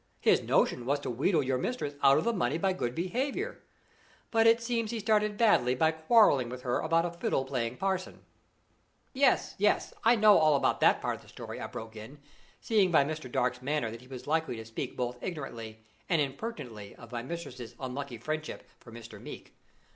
His notion was to wheedle your mistress out of the money by good behavior; but it seems he started badly by quarreling with her about a fiddle playing parson " "Yes, yes, I know all about that part of the story," I broke in, seeing by Mr. Dark's manner that he was likely to speak both ignorantly and impertinently of my mistress's unlucky friend ship for Mr. Meeke.